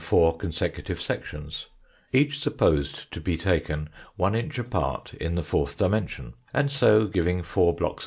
four consecutive sections, each supposed to be taken one inch apart in the fourth dimension, and so giving four * The coloured plate, figs.